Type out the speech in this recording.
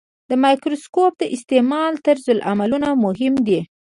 د مایکروسکوپ د استعمال طرزالعملونه مهم دي.